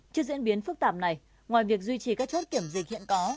trước diễn biến phức tạp này ngoài việc duy trì các chốt kiểm dịch hiện có